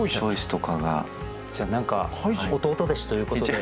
じゃあ何か弟弟子ということで。